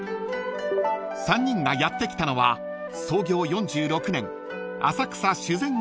［３人がやって来たのは創業４６年］